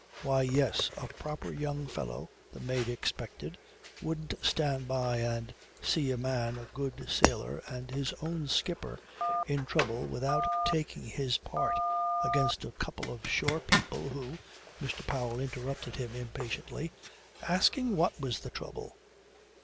Why, yes. A proper young fellow, the mate expected, wouldn't stand by and see a man, a good sailor and his own skipper, in trouble without taking his part against a couple of shore people who Mr. Powell interrupted him impatiently, asking what was the trouble?